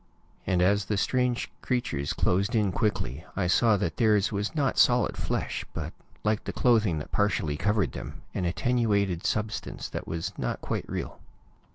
And as the strange creatures closed in quickly, I saw that theirs was not solid flesh, but, like the clothing that partially covered them, an attenuated substance that was not quite real.